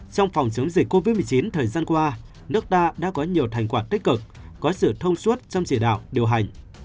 trong phòng chống dịch covid một mươi chín thời gian qua nước ta đã có nhiều thành quả tích cực có sự thông suốt trong chỉ đạo điều hành